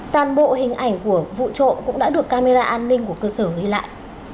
toàn bộ hình ảnh của vụ trộm cũng đã được camera an ninh của cơ sở ghi lại